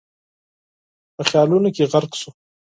په خيالونو کې غرق شو.